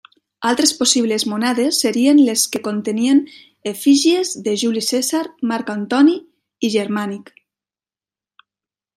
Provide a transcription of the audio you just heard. Altres possibles monedes serien les que contenien efígies de Juli Cèsar, Marc Antoni i Germànic.